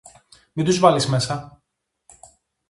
Μην τους βάλεις μέσα!